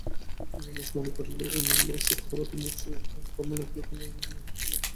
রমেশ মনে করিল, উমির অসুখ হওয়াতে নিশ্চয়ই কাল কমলাকে এখানে আনানো হইয়াছিল।